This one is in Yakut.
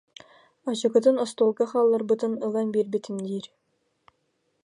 Ачыкытын остуолга хаалларбытын ылан биэрбитим диир